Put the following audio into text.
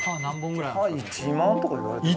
１万とかいわれてる。